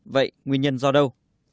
vậy nguyên nhân do đâu